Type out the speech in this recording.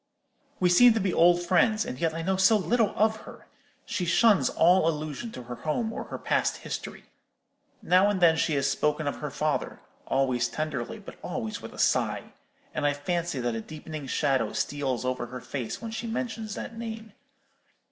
"We seem to be old friends; and yet I know so little of her. She shuns all allusion to her home or her past history. Now and then she has spoken of her father; always tenderly, but always with a sigh; and I fancy that a deepening shadow steals over her face when she mentions that name.